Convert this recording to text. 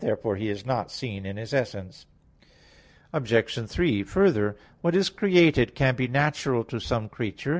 Therefore He is not seen in His essence. Obj. 3: Further, what is created can be natural to some creature.